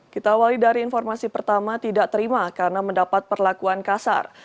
kita awali dari informasi pertama tidak terima karena mendapat perlakuan kasar